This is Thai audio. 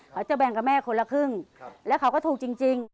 เขาจะแบ่งกับแม่คนละครึ่งแล้วเขาก็ถูกจริง